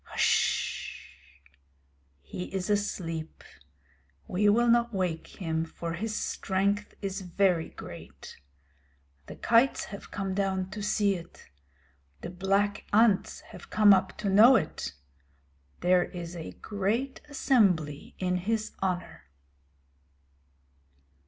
Hsh! he is asleep. We will not wake him, for his strength is very great. The kites have come down to see it. The black ants have come up to know it. There is a great assembly in his honour.